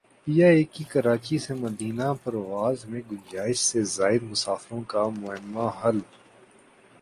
P I A کی کراچی سے مدینہ پرواز میں گنجائش سے زائد مسافروں کا معمہ حل